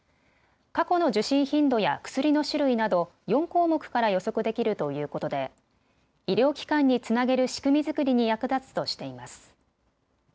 過去の受診頻度や薬の種類など４項目から予測できるということで医療機関につなげる仕組み作りに役立つとしています。